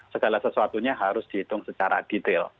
segala sesuatunya harus dihitung secara detail